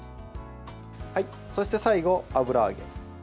そして最後、油揚げ。